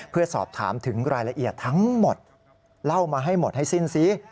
เพื่อสอบถามถึงรายละเอียดทั้งหมดเล่ามาให้หมดให้สิ้นซิ